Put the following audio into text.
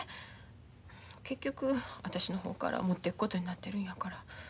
結局私の方から持っていくことになってるんやから。